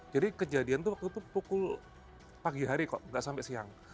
jadi kejadian waktu itu pukul pagi hari kok nggak sampai siang